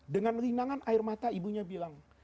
dengan linangan air mata ibunya bilang